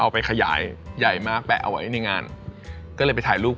เอาอีกเอาสักสองโคยก